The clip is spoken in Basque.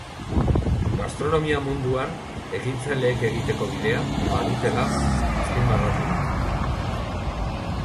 Gastronomia munduan ekintzaileek egiteko bidea badutela azpimarratu du.